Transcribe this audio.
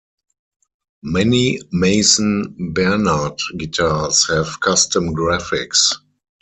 Many Mason Bernard guitars have custom graphics.